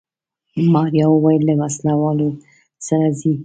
ماريا وويل له وسله والو سره ځي.